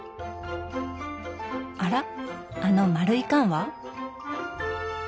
あらあの丸い缶は？